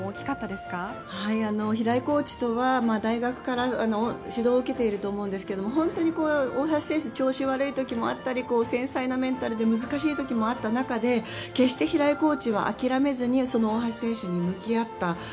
コーチとは大学から指導を受けていると思うんですが本当に大橋選手調子が悪い時もあったり繊細なメンタルで難しい時もあった中で決して平井コーチは諦めずに大橋選手に向き合った。